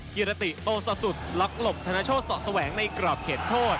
กิรติโตสะสุดล็อกหลบทานาโชสสแหวงในกรอบเข็ดโทษ